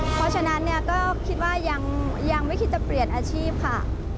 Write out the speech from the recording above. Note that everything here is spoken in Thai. เพราะฉะนั้นเนี่ยก็คิดว่ายังไม่คิดจะเปลี่ยนอาชีพค่ะ